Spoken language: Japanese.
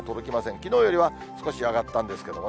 きのうよりは少し上がったんですけれどもね。